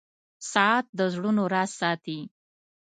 • ساعت د زړونو راز ساتي.